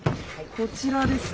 こちらですね。